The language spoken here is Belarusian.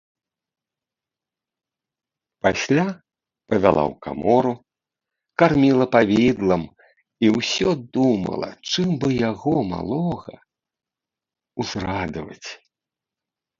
Пасля павяла ў камору, карміла павідлам і ўсё думала, чым бы яго, малога, узрадаваць.